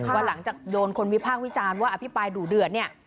วันหลังจากโดนคนวิภาควิจารณ์ว่าอธิบายดุเดือดเนี่ย